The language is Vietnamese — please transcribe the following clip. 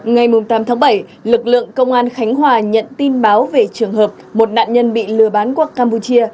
ngày tám tháng bảy lực lượng công an khánh hòa nhận tin báo về trường hợp một nạn nhân bị lừa bán qua campuchia